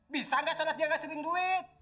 bisa enggak sholat dia ngasihin duit